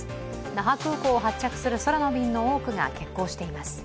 那覇空港を発着する空の便の多くが欠航しています。